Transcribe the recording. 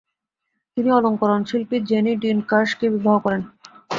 তিনি অলংকরণ-শিল্পী Jenny Dean কারশ-কে বিবাহ করেন।